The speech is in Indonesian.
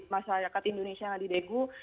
masyarakat indonesia yang ada di daegu